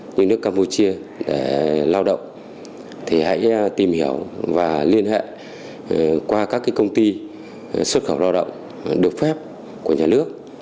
như nước campuchia lao động thì hãy tìm hiểu và liên hệ qua các công ty xuất khẩu lao động được phép của nhà nước